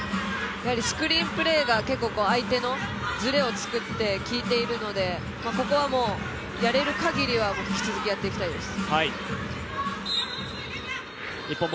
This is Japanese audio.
スクリーンプレーが相手のズレを作って効いているのでここはやれる限りは引き続きやっていきたいです。